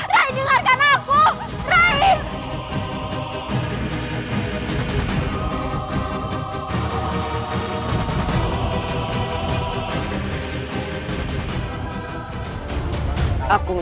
rai dengarkan aku